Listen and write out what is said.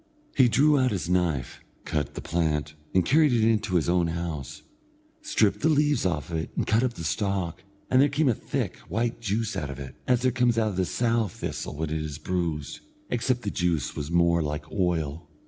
He drew out his knife, cut the plant, and carried it into his own house; stripped the leaves off it and cut up the stalk; and there came a thick, white juice out of it, as there comes out of the sow thistle when it is bruised, except that the juice was more like oil.